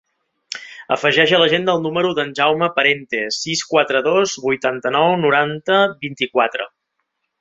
Afegeix a l'agenda el número del Jaume Parente: sis, quaranta-dos, vuitanta-nou, noranta, vint-i-quatre.